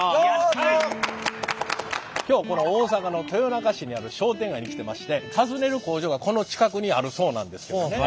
今日この大阪の豊中市にある商店街に来てまして訪ねる工場がこの近くにあるそうなんですけどね。